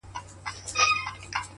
• پاڅه چي ځو ترې ؛ ه ياره؛